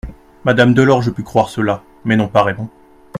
Madame Delorge put croire cela, mais non pas Raymond.